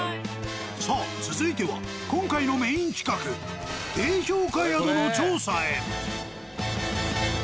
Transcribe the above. さあ続いては今回のメーン企画低評価宿の調査へ。